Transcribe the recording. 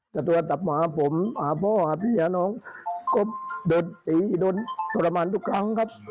แต่ตัวต่อต่อมาผมอาพ่อหาพี่ฟะน้องก็โดนตีโดนตรภัมณ์ทุกครั้งครับ